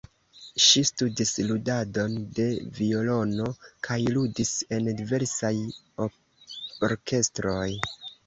Ŝi studis ludadon de violono kaj ludis en diversaj orkestroj.